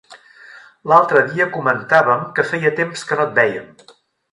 L'altre dia comentàvem que feia temps que no et vèiem.